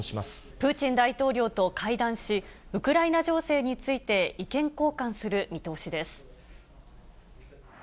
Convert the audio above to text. プーチン大統領と会談し、ウクライナ情勢について意見交換する見通しです。